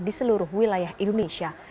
di seluruh wilayah indonesia